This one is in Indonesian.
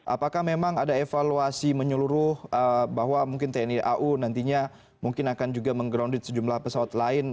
apakah memang ada evaluasi menyeluruh bahwa mungkin tni au nantinya mungkin akan juga meng grounded sejumlah pesawat lain